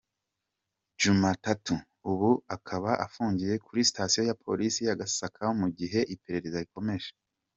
Djumatatu ubu akaba afungiye kuri sitasiyo ya Polisi ya Gasaka mu gihe iperereza rikomeje.